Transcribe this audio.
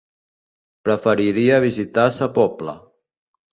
Preferiria visitar Sa Pobla.